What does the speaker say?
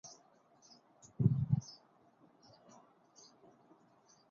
তবে স্বাধীনভাবেও তাঁরা কাব্যচিন্তার বহিঃপ্রকাশ ঘটিয়েছেন তাঁদের রচনার মধ্য দিয়ে।